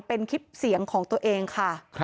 เป็นคลิปเสียงของตัวเองค่ะ